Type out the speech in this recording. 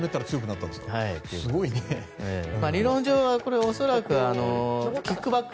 理論上は、恐らくキックバック。